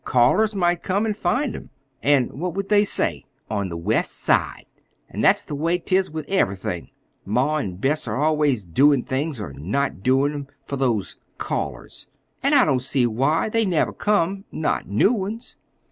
Callers might come and find 'em, an' what would they say—on the West Side! An' that's the way 'tis with everything. Ma an' Bess are always doin' things, or not doin' 'em, for those callers. An' I don't see why. They never come—not new ones."